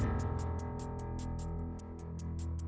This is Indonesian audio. okay nah ngerti nesday denganaku